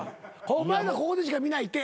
お前らここでしか見ないって。